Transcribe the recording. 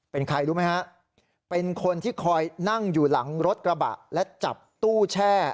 เป็นใครรู้ไหมฮะเป็นคนที่คอยนั่งอยู่หลังรถกระบะและจับตู้แช่